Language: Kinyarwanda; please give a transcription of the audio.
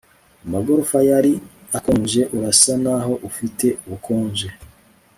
Amagorofa yari akonje Urasa naho ufite ubukonje